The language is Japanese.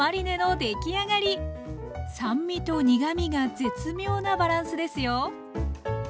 酸味と苦みが絶妙なバランスですよ。